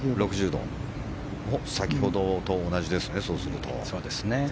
先ほどと同じですねそうすると。